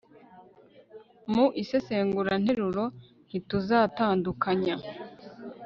mu isesenguranteruro ntituzatandukanya